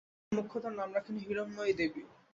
তিনি মোক্ষদার নাম রাখেন হিরন্ময়ী দেবী।